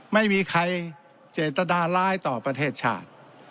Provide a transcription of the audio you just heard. ไม่มีใครเจตนาร้ายต่อประเทศชาติ